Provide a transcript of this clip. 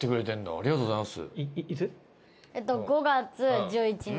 ありがとうございます！